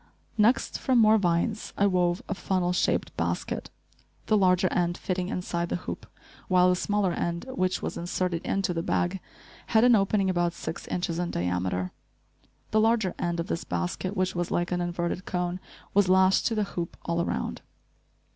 Next, from more vines, I wove a funnel shaped basket, the larger end fitting inside the hoop, while the smaller end, which was inserted into the bag, had an opening about six inches in diameter. The larger end of this basket, which was like an inverted cone, was lashed to the hoop, all around.